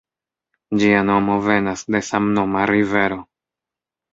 Ĝia nomo venas de samnoma rivero.